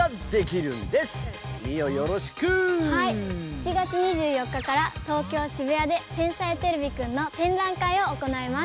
７月２４日から東京・渋谷で「天才てれびくん」の展覧会を行います。